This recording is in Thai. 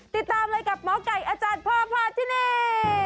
ติดตามเลยกับหมอไก่อาจารย์พ่อพาที่นี่